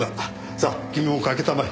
さあ君もかけたまえ。